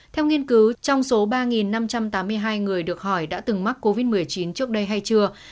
theo nghiên cứu trong số ba năm trăm tám mươi hai người được hỏi đã từng mắc covid một mươi chín trước đây hay chưa